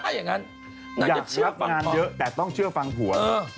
อยากรับงานเยอะแต่ต้องเชื่อฟังผัว